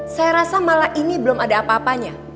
saya rasa malah ini belum ada apa apanya